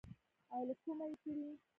او له کومه يې کړې.